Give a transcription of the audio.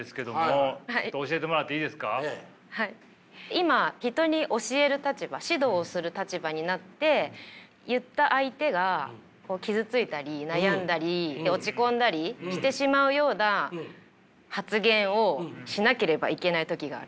今人に教える立場指導をする立場になって言った相手が傷ついたり悩んだり落ち込んだりしてしまうような発言をしなければいけない時がある。